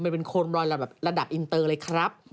มันเป็นโคมรอยระดับอินเตอร์เลยครับ